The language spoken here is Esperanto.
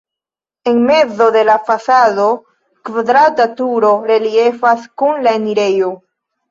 En mezo de la fasado kvadrata turo reliefas kun la enirejo.